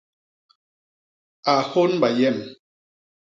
A hônba yem!